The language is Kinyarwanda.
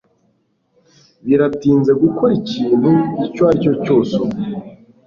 Biratinze gukora ikintu icyo aricyo cyose ubu